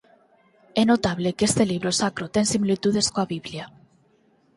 É notable que este libro sacro ten similitudes coa Biblia.